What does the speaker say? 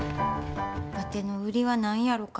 わての売りは何やろか？